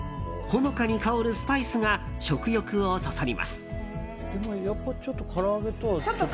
ほのかに香るスパイスが食欲をそそります。